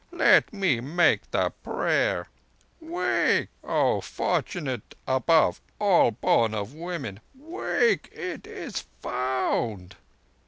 Let me make the prayer! ... Wake, O fortunate above all born of women. Wake! It is found!"